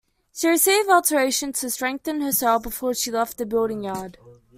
She received alterations to strengthen her sail before she left the building yard.